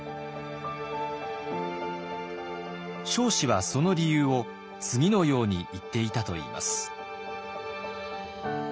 彰子はその理由を次のように言っていたといいます。